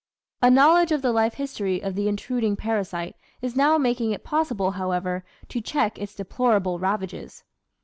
A knowledge of the life history of the intruding parasite is now making it possible, however, to check its de plorable ravages.